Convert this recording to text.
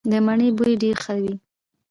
د مڼې بوی ډیر ښه وي.